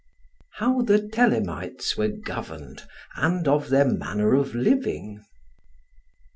How the Thelemites were governed, and of their manner of living.